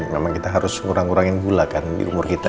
memang kita harus ngurang kurangin gula kan di umur kita